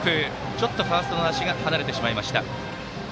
ちょっとファーストの足が離れました。